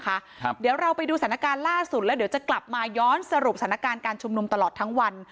ครับเดี๋ยวเราไปดูสถานการณ์ล่าสุดแล้วเดี๋ยวจะกลับมาย้อนสรุปสถานการณ์การชุมนุมตลอดทั้งวัน